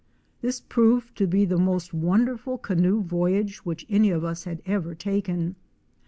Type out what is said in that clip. This proved to be the most wonderful canoe voyage which any of us had ever taken.